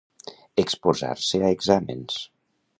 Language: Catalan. Esposar-se a exàmens.